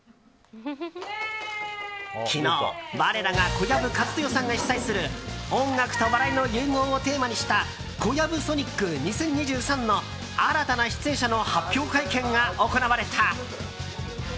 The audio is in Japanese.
昨日我らが小籔千豊さんが主宰する音楽と笑いの融合をテーマにした「ＫＯＹＡＢＵＳＯＮＩＣ２０２３」の新たな出演者の発表会見が行われた。